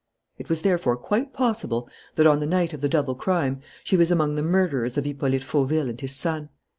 It was therefore quite possible that, on the night of the double crime, she was among the murderers of Hippolyte Fauville and his son.